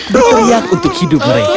berteriak untuk hidup mereka